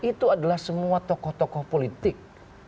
itu adalah semua tokoh tokoh politik